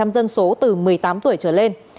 dân số từ một mươi tám tuổi trở lên